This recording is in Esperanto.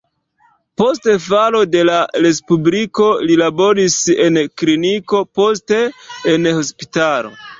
Post falo de la respubliko li laboris en kliniko, poste en hospitalo.